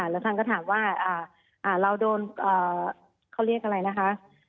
แล้วท่านก็ถามว่าเราโดนเขาเรียกอะไรนะคะ